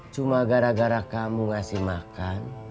cuma gara gara kamu ngasih makan